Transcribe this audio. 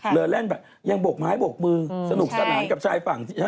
เรือแร่งแบบยังบกไม้บกมือสนุกสนานกับชายฝั่งใช่ไหมฮะ